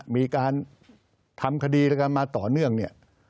มีการทำคดีกันมาต่อเนื่องเนี่ย